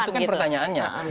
itu kan pertanyaannya